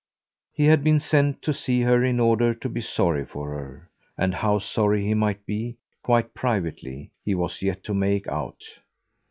He had been sent to see her in order to be sorry for her, and how sorry he might be, quite privately, he was yet to make out.